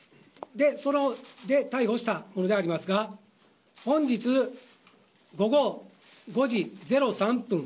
で、逮捕したものでありますが本日午後５時０３分